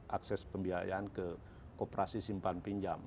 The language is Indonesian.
akses pembiayaan ke kooperasi simpan pinjam